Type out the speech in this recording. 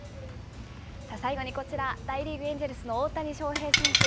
最後にこちら、大リーグ・エンジェルスの大谷翔平選手。